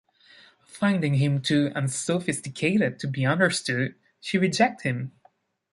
Finding him too unsophisticated to be understood, she reject him.